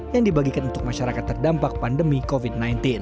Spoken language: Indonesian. yang dibagikan untuk masyarakat terdampak pandemi covid sembilan belas